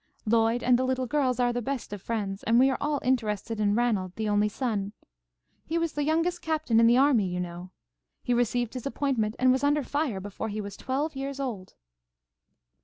Lloyd and the little girls are the best of friends, and we are all interested in Ranald, the only son. He was the youngest captain in the army, you know. He received his appointment and was under fire before he was twelve years old."